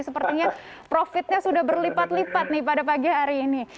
sepertinya profitnya sudah berlipat lipat nih pada pagi hari ini